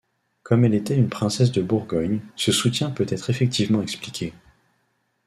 Comme elle était une princesse de Bourgogne, ce soutien peut être effectivement expliqué.